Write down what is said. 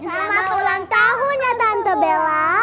selamat ulang tahun ya tante bella